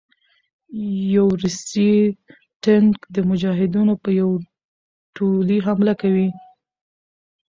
يو روسي ټېنک د مجاهدينو په يو ټولې حمله کوي